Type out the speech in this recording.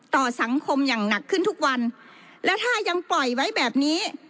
ต่อสังคมอย่างหนักขึ้นทุกวันแล้วถ้ายังปล่อยไว้แบบนี้